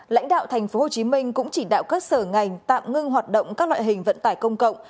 lãnh đạo tp hcm cũng chỉ đạo các sở ngành tạm ngưng hoạt động các loại hình vận tải công cộng